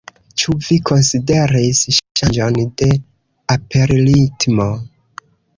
Ĉu vi konsideris ŝanĝon de aperritmo?